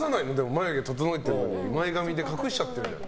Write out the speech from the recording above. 眉毛整えてるのに前髪で隠しちゃってるじゃん。